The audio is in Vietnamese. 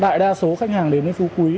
tại đa số khách hàng đến với phú quý